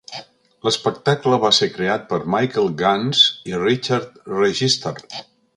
L'espectacle va ser creat per Michael Gans i Richard Register.